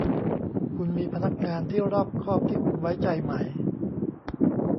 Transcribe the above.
คุณมีพนักงานที่รอบคอบที่คุณไว้ใจไหม